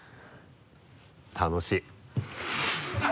楽しい。